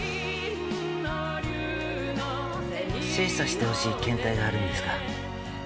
「精査してほしい検体があるんですが」